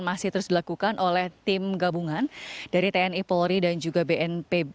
masih terus dilakukan oleh tim gabungan dari tni polri dan juga bnpb